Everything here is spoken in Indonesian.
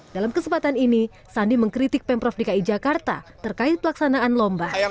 dalam kesempatan ini sandi mengkritik pemprov dki jakarta terkait pelaksanaan lomba